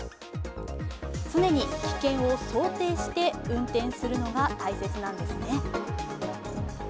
常に危険を想定して運転するのが大切なんですね。